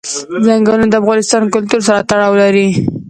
ځنګلونه د افغان کلتور سره تړاو لري.